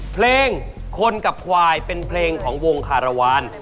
เพลงคนกับควายเป็นเพลงของวงคารวาล